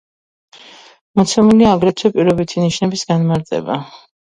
მოცემულია აგრეთვე პირობითი ნიშნების განმარტება.